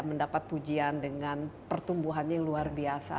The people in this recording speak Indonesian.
mendapat pujian dengan pertumbuhannya yang luar biasa